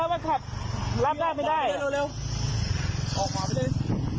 น้ำจ้อยออกเข้าไปเลย